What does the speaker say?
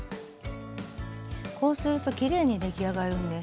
こうするときれいに出来上がるんです。